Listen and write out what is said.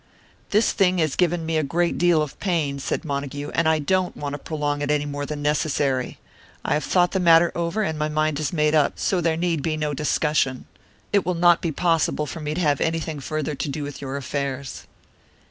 "This thing has given me a great deal of pain," said Montague; "and I don't want to prolong it any more than necessary. I have thought the matter over, and my mind is made up, so there need be no discussion. It will not be possible for me to have anything further to do with your affairs."